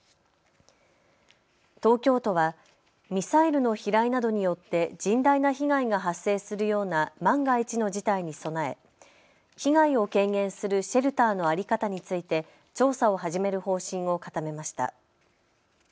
東京都はミサイルの飛来などによって甚大な被害が発生するような万が一の事態に備え被害を軽減するシェルターの在り方について調査を始める方針を固めました。